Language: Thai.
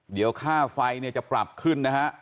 เดี๋ยวค่าไฟเนี่ยจะปรับขึ้นนะฮะ